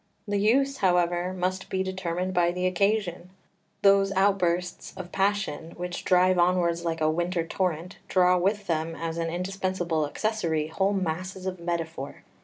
The use, however, must be determined by the occasion. Those outbursts of passion which drive onwards like a winter torrent draw with them as an indispensable accessory whole masses of metaphor.